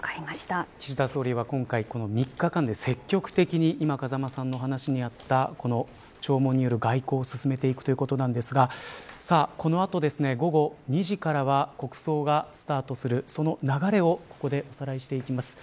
岸田総理は今回この３日間で積極的に今、風間さんのお話にあった弔問による外交を進めていくということなんですがこのあと、午後２時からは国葬がスタートする、その流れをここでおさらいしていきます。